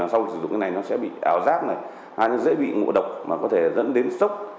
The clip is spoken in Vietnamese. sử dụng cái này nó sẽ bị ảo giác này dễ bị ngụ độc mà có thể dẫn đến sốc